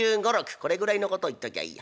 これぐらいのことを言っときゃいいや」。